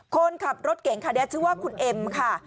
คนขับรถเก่งคันนี้ชื่อว่าคุณเอ็มค่ะ